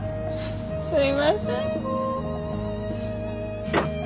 すいません。